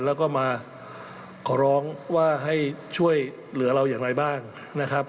แล้วก็มาขอร้องว่าให้ช่วยเหลือเราอย่างไรบ้างนะครับ